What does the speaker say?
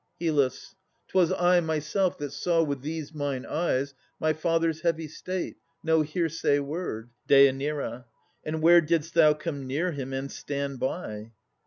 HYL. 'Twas I myself that saw with these mine eyes My father's heavy state: no hearsay word. DÊ. And where didst thou come near him and stand by?